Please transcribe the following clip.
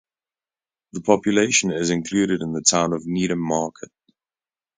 The population is included in the town of Needham Market.